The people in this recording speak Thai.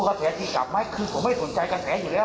คือผมไม่ต้องสนใจกอแสอยู่แล้ว